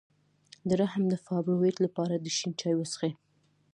د رحم د فایبرویډ لپاره د شین چای وڅښئ